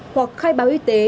hoặc khai báo y tế